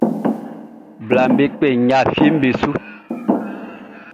Blaʼm be kpɛ nɲa fieʼm be nun.